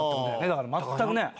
だから全くね。